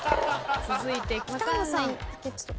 続いて北野さん。